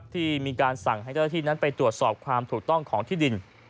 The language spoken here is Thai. ที่มีการสั่งให้เจ้าหน้าที่นั้นไปตรวจสอบความถูกต้องของที่ดิน